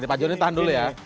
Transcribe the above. pak joni tahan dulu ya